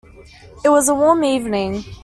It was a warm evening.